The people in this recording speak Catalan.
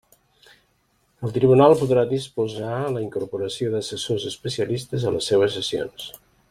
El tribunal podrà disposar la incorporació d'assessors especialistes a les seues sessions.